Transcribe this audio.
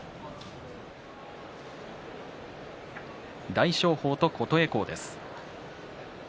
大翔鵬と琴恵光です。